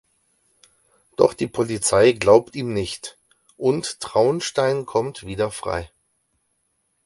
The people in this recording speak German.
Doch die Polizei glaubt ihm nicht und Traunstein kommt wieder frei.